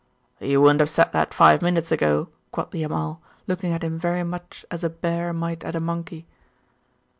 'You wouldn't have said that five minutes ago, quoth the Amal, looking at him very much as a bear might at a monkey.